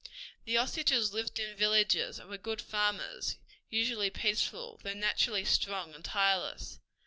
The Osages lived in villages and were good farmers, usually peaceful, although naturally strong and tireless.